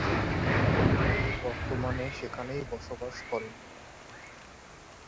তিনি বর্তমানে সেখানেই বসবাস করেন।